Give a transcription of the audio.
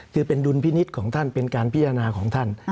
คือเป็นดุลพินิษฐ์ของท่านเป็นการพิจารณาของท่าน